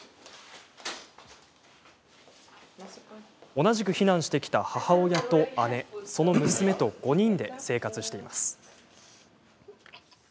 同じく避難してきた母親と姉その娘と、５人で生活しています。